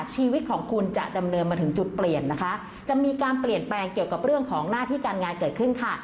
ชีวิตของคุณจะดำเนินมาถึงจุดเปลี่ยนนะคะจะมีการเปลี่ยนแปลงเกี่ยวกับเรื่องของหน้าที่การงานเกิดขึ้นค่ะ